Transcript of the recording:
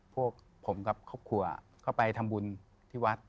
พวกผมกับครอบครัวก็ไปทำบุญที่วัด